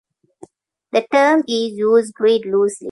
The term is used quite loosely.